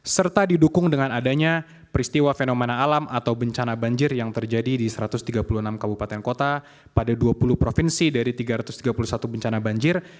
serta didukung dengan adanya peristiwa fenomena alam atau bencana banjir yang terjadi di satu ratus tiga puluh enam kabupaten kota pada dua puluh provinsi dari tiga ratus tiga puluh satu bencana banjir